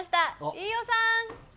飯尾さん。